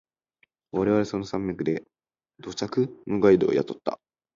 我々はその山脈で土着のガイドを雇った。